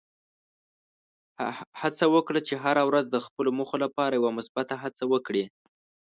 هڅه وکړه چې هره ورځ د خپلو موخو لپاره یوه مثبته هڅه وکړې.